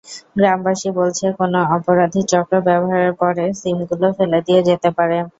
গ্রামবাসী বলছে, কোনো অপরাধী চক্র ব্যবহারের পরে সিমগুলো ফেলে দিয়ে যেতে পারে।